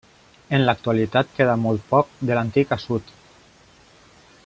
En l'actualitat queda molt poc de l'antic assut.